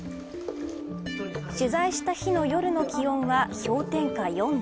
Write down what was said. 取材した日の夜の気温は氷点下４度。